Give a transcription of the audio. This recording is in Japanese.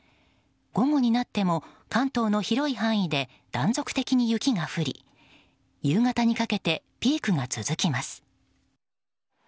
午後になっても関東の広い範囲で断続的に雪が降り夕方にかけて、ピークが続きます。